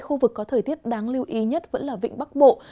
khu vực có thời tiết đáng lưu ý nhất vẫn là vịnh bắc bộ